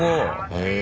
へえ。